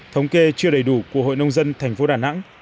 thống kê chưa đầy đủ của hội nông dân tp đà nẵng